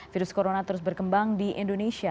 virus corona terus berkembang di indonesia